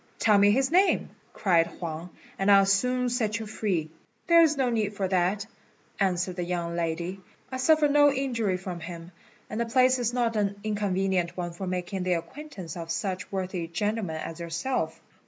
"Tell me his name," cried Huang, "and I'll soon set you free." "There is no need for that," answered the young lady; "I suffer no injury from him, and the place is not an inconvenient one for making the acquaintance of such worthy gentlemen as yourself."